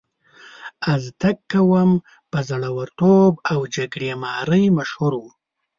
ازتک قوم په زړورتوب او جګړې مارۍ مشهور و.